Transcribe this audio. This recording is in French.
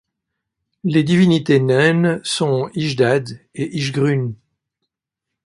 Les divinités naines sont Yjdad et Yjgrun.